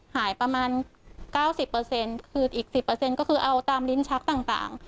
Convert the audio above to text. หายประมาณ๙๐คืออีก๑๐ก็คือเอาตามลิ้นชักต่าง